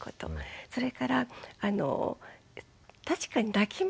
それから確かに泣きます。